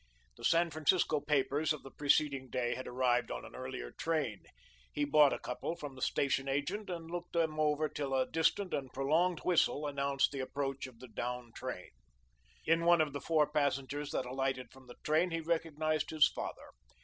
The San Francisco papers of the preceding day had arrived on an earlier train. He bought a couple from the station agent and looked them over till a distant and prolonged whistle announced the approach of the down train. In one of the four passengers that alighted from the train, he recognised his father.